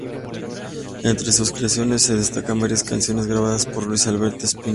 Entre sus creaciones se destacan varias canciones grabadas por Luis Alberto Spinetta.